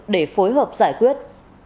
để phối hợp giải quyết